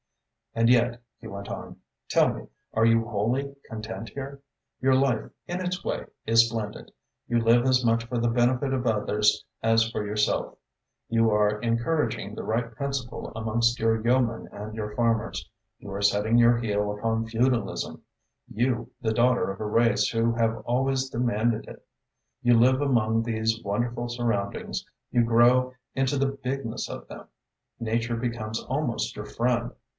"And yet," he went on, "tell me, are you wholly content here? Your life, in its way, is splendid. You live as much for the benefit of others as for yourself. You are encouraging the right principle amongst your yeomen and your farmers. You are setting your heel upon feudalism you, the daughter of a race who have always demanded it. You live amongst these wonderful surroundings, you grow into the bigness of them, nature becomes almost your friend.